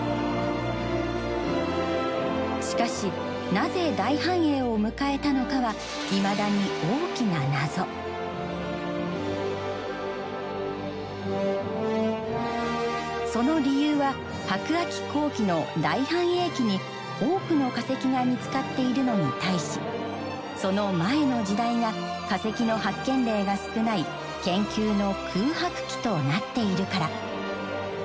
しかしなぜ大繁栄を迎えたのかはいまだにその理由は白亜紀後期の大繁栄期に多くの化石が見つかっているのに対しその前の時代が化石の発見例が少ない研究の空白期となっているから。